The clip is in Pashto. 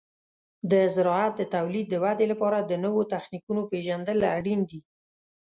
د زراعت د تولید د ودې لپاره د نوو تخنیکونو پیژندل اړین دي.